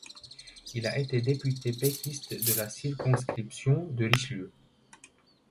Il a été député péquiste de la circonscription de Richelieu.